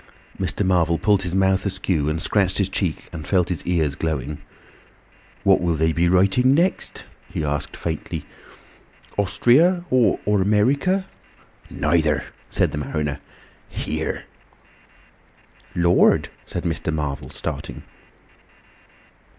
Mr. Marvel pulled his mouth askew and scratched his cheek and felt his ears glowing. "What will they be writing next?" he asked faintly. "Ostria, or America?" "Neither," said the mariner. "Here." "Lord!" said Mr. Marvel, starting.